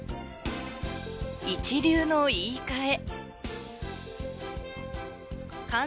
『一流の言いかえ』。